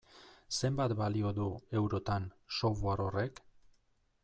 Zenbat balio du, eurotan, software horrek?